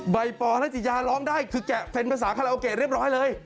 ใบปอร์รัตยายังร้องได้คือแกะเฟ้นภาษาคันแล้วโอเคเรียบร้อยเลย